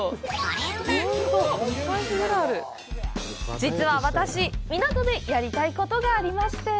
実は私、港でやりたいことがありまして。